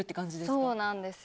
そうなんです。